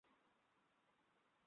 বোধ হয়, সময় উত্তীর্ণ হইয়া আসিল।